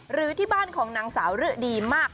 หรือที่บ้านของนางสาวฤดีมาก